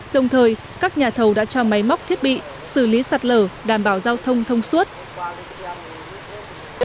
đồng thời các nhà thầu đã cho máy móc thiết bị xử lý sạt lở đảm bảo giao thông thông suốt